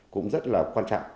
cũng rất là quan trọng